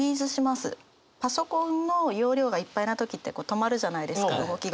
パソコンの容量がいっぱいな時って止まるじゃないですか動きが。